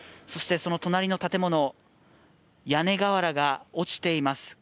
その隣の建物、屋根瓦が落ちています。